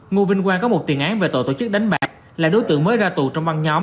ngô vinh quang có một tiền án về tội tổ chức đánh bạc là đối tượng mới ra tù trong băng nhóm